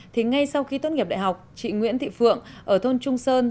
thì ngay sau khi tốt nghiệp đại học chị nguyễn thị phượng ở thôn trung sơn